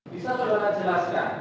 bisa saudara jelaskan